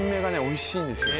おいしいんですよ。